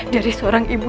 dari seorang ibu